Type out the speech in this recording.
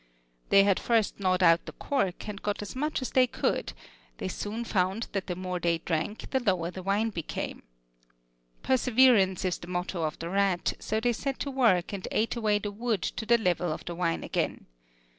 They had first gnawed out the cork, and got as much as they could: they soon found that the more they drank the lower the wine became. Perseverance is the motto of the rat; so they set to work and ate away the wood to the level of the wine again.